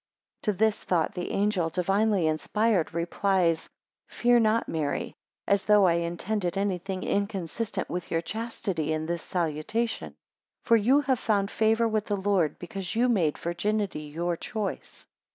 7 To this thought the angel, divinely inspired, replies; 8 Fear not, Mary, as though I intended anything inconsistent with your chastity in this salutation: 9 For you have found favour with the Lord, because you made virginity your choice.